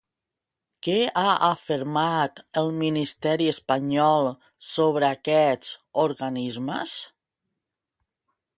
Què ha afermat el ministeri espanyol sobre aquests organismes?